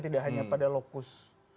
tidak hanya pada lokus